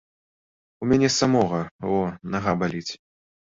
У мяне самога, во, нага баліць.